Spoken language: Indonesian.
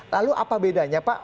lalu apa bedanya pak